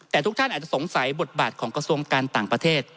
แต่ทุกท่านอาจจะสงสัยบทบาทของกระทรวงการต่างประเทศ